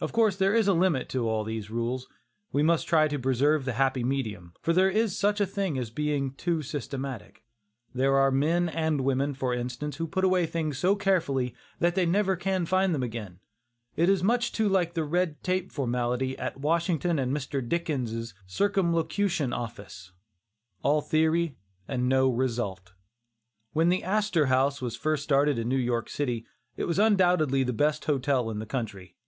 Of course there is a limit to all these rules. We must try to preserve the happy medium, for there is such a thing as being too systematic. There are men and women, for instance, who put away things so carefully that they can never find them again. It is too much like the "red tape" formality at Washington and Mr. Dickens' "Circumlocution Office," all theory and no result. When the "Astor House" was first started in New York City, it was undoubtedly the best hotel in the country.